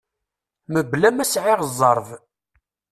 Mebla ma sɛiɣ zzerb.